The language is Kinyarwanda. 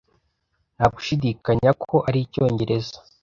Nta gushidikanya ko ari Icyongereza